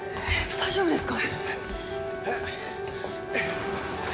大丈夫ですか？